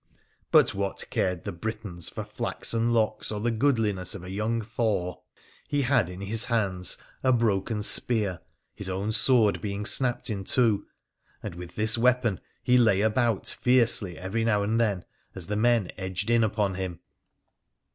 But what cared the Britons for flaxen locks or the goodli ness of a young Thor ? He had in his hands a broken spear, his own sword being snapped in two ; and with this weapon he lay about fiercely every now and then as the men edged in upon him.